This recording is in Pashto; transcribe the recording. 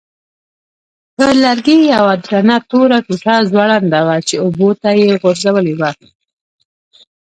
پر لرګي یوه درنه توره ټوټه ځوړنده وه چې اوبو ته یې غورځولې وه.